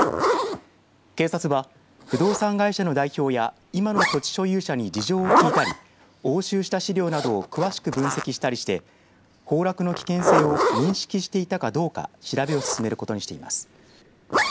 警察は不動産会社の代表や今の土地所有者に事情を聴いたり押収した資料などを詳しく分析したりして崩落の危険性を認識していたかどうか調べを進めることにしています。